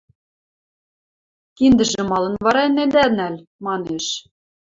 – Киндӹжӹм малын вара ӹнеда нӓл? – манеш.